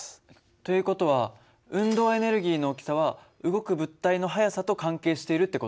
という事は運動エネルギーの大きさは動く物体の速さと関係しているって事？